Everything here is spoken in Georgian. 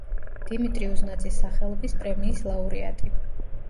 დიმიტრი უზნაძის სახელობის პრემიის ლაურეატი.